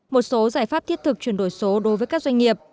một số giải pháp thiết thực chuyển đổi số đối với các doanh nghiệp